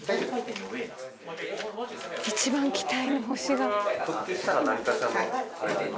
一番期待の星が。